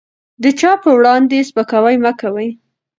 د چا په وړاندې سپکاوی مه کوئ.